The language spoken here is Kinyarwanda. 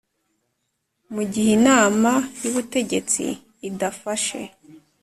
Mu gihe Inama y Ubutegetsi idafashe